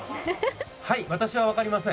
はい、私は分かりません。